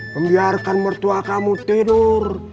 membiarkan mertua kamu tidur